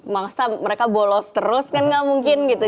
masa mereka bolos terus kan gak mungkin gitu